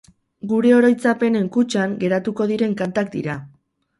Gure oroitzapenen kutxan geratu diren kantak dira.